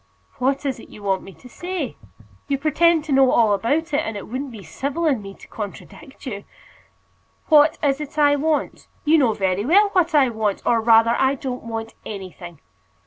"What is it you want me to say? You pretend to know all about it, and it wouldn't be civil in me to contradict you." "What is it I want? You know very well what I want; or rather, I don't want anything.